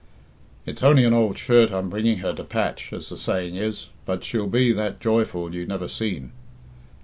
It's only an ould shirt I'm bringing her to patch, as the saying is, but she'll be that joyful you never seen.